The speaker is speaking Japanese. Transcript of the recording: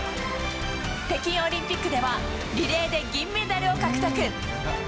北京オリンピックではリレーで銀メダルを獲得。